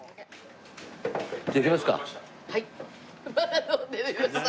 じゃあ行きますか。